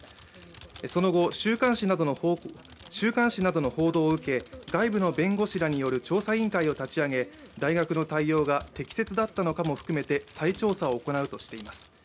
その後、週刊誌などの報道を受け外部の弁護士らによる調査委員会を立ち上げ大学の対応が適切だったのかも含めて再調査を行うとしています。